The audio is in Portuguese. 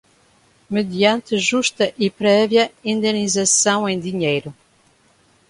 mediante justa e prévia indenização em dinheiro